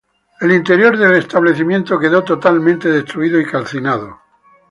El interior del establecimiento quedó totalmente destruido y calcinado.